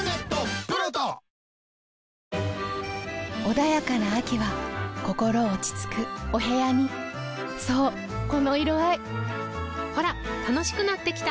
穏やかな秋は心落ち着くお部屋にそうこの色合いほら楽しくなってきた！